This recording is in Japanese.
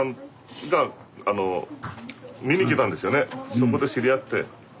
そこで知り合って。